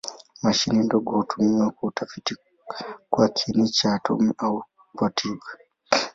Mashine ndogo hutumiwa kwa utafiti kwa kiini cha atomi au kwa tiba.